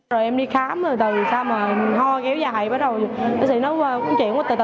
rồi em đi khám rồi từ xa mà ho kéo dài bác sĩ nói chuyện quá từ từ